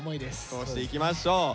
そうしていきましょう！